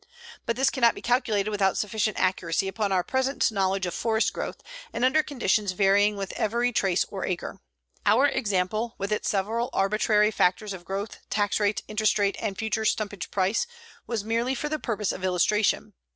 But this cannot be calculated with sufficient accuracy upon our present knowledge of forest growth and under conditions varying with every trace or acre. Our example, with its several arbitrary factors of growth, tax rate, interest rate, and future stumpage price, was merely for the purpose of illustration.